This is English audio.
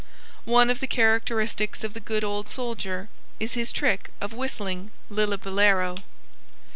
One of the characteristics of the good old soldier is his trick of whistling Lillibullero.